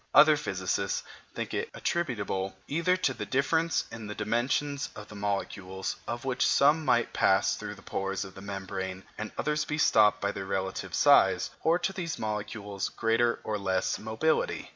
Other physicists think it attributable, either to the difference in the dimensions of the molecules, of which some might pass through the pores of the membrane and others be stopped by their relative size, or to these molecules' greater or less mobility.